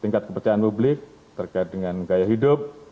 tingkat kepercayaan publik terkait dengan gaya hidup